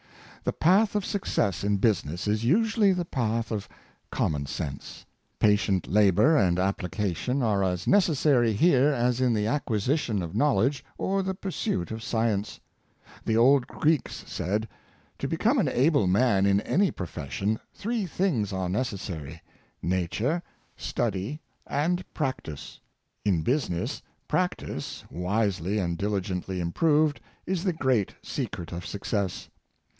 The path of success in business is usually the path of common sense. Patient labor and application are as necessary here as in the acquisition of knowledge or the pursuit of science. The old Greeks said, '' To be come an able man in an}^ profession, three things are necessary — nature, study, and practice." In business, practice, wisely and diligently improved, is the great secret of success.